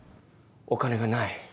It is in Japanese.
お金がない。